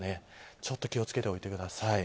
ちょっと気を付けておいてください。